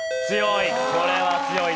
強い。